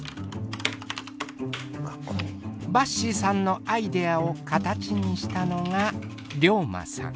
ばっしーさんのアイデアを形にしたのがりょーまさん。